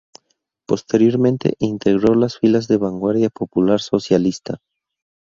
Posteriormente, integró las filas de la Vanguardia Popular Socialista.